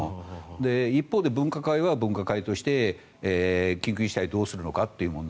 一方で分科会は分科会として緊急事態をどうするのかという問題